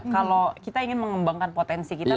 kalau kita ingin mengembangkan potensi kita